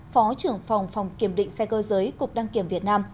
phó trưởng phòng phòng kiểm định xe cơ giới cục đăng kiểm việt nam